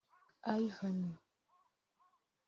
Ivan